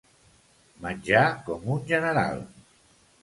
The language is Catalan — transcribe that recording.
Menjar com un general.